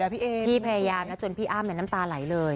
พี่เอพี่พยายามนะจนพี่อ้ำน้ำตาไหลเลย